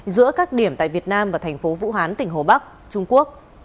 giữa các điểm tại việt nam và thành phố vũ hán tỉnh hồ bắc trung quốc